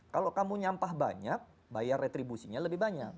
kalau kamu nyampah banyak bayar retribusinya lebih banyak